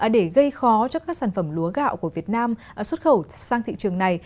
để gây khó cho các sản phẩm lúa gạo của việt nam xuất khẩu sang thị trường này